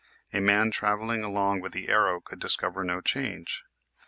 A man traveling along with the arrow could discover no change.